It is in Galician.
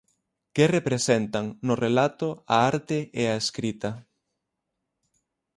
Que representan, no relato, a arte e a escrita?